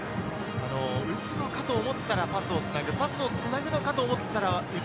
打つのかと思ったら、パスをつなぐ、パスをつなぐのかと思ったら打つ。